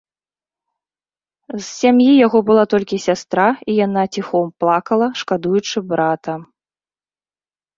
З сям'і яго была толькі сястра, і яна ціхом плакала, шкадуючы брата.